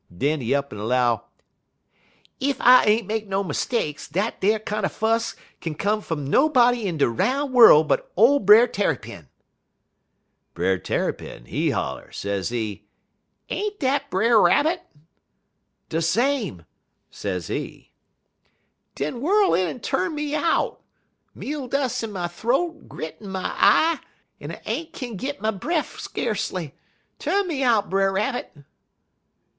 Den he up'n 'low: "'Ef I ain't make no mistakes, dat ar kinder fuss kin come fum nobody in de roun' worl' but ole Brer Tarrypin.' "Brer Tarrypin, he holler, sezee: 'Ain't dat Brer Rabbit?' "'De same,' sezee. "'Den whirl in en tu'n me out. Meal dus' in my th'oat, grit in my eye, en I ain't kin git my breff, skacely. Tu'n me out, Brer Rabbit.'